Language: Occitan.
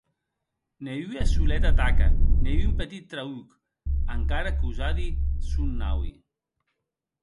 Ne ua soleta taca, ne un petit trauc; encara qu’usadi, son naui.